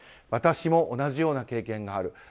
私も同じような経験がある。